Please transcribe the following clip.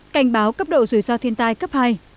cảnh báo cấp độ rủi ro thiên tai cấp hai